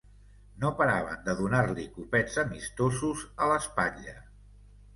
No paraven de donar-li copets amistosos a l'espatlla